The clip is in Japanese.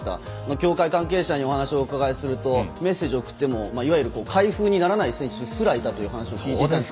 協会関係者にお話をお伺いするとメッセージを送ってもいわゆる開封にならない選手すらいたという話を聞いていたんです。